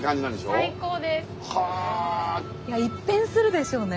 一変するでしょうね。